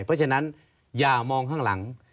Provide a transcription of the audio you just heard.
เพราะฉะนั้นอย่ามองข้างหลัง